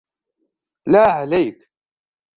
لا عليك!